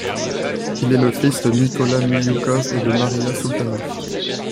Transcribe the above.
Il est le fils de Nicolas Milioukov et de Maria Soultanoff.